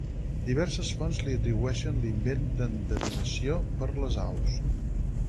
Diverses fonts li atribueixen l'invent de l'endevinació per les aus.